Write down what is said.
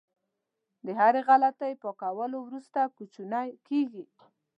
د هرې غلطۍ پاکولو وروسته کوچنی کېږي.